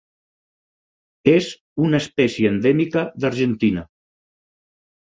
És una espècie endèmica d'Argentina.